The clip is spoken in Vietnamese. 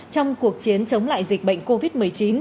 trong cuộc chiến chống lại dịch bệnh covid một mươi chín